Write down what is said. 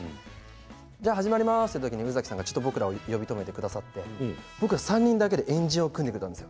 じゃあ、始まりますという時に宇崎さんが僕らを呼び止めてくださって３人だけで円陣を組んでくださったんです。